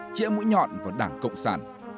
chĩa mũi nhọn vào đảng cộng sản